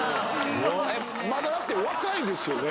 まだだって若いですよね？